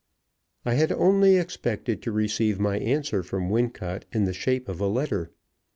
I had only expected to receive my answer from Wincot in the shape of a letter.